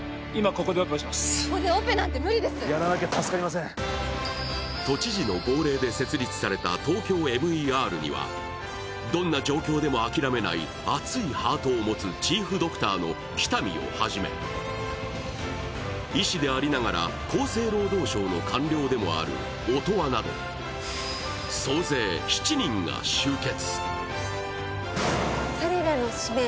走る緊急救命室」都知事の号令で設立されたＴＯＫＹＯＭＥＲにはどんな状況でも諦めない熱いハートを持つチーフドクターの喜多見をはじめ、医師でありながら厚生労働省の官僚でもある音羽など総勢７人が集結。